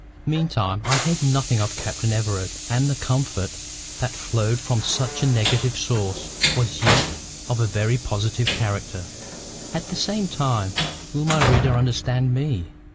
Meantime I heard nothing of Captain Everard; and the comfort that flowed from such a negative source was yet of a very positive character. At the same time—will my reader understand me?